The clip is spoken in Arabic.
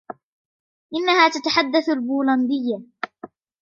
إنها تتحدث البولندية.